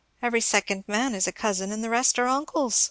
Every second man is a cousin, and the rest are uncles."